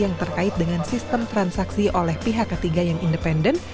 yang terkait dengan sistem transaksi oleh pihak ketiga yang independen